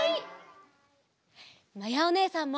まやおねえさんも！